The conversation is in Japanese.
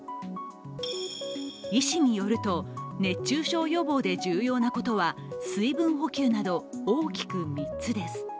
医師によると、熱中症予防で重要なことは水分補給など大きく３つです。